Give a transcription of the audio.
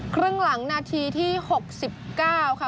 ครึ่งหลังนาทีที่๖๙ค่ะ